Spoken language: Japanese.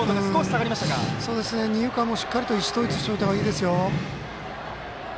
二遊間もしっかりと意思統一しておいた方がいいです。